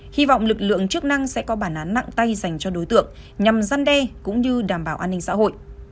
hy vọng lực lượng chức năng sẽ có bản án nặng tay dành cho đối tượng nhằm gian đe cũng như đảm bảo an ninh xã hội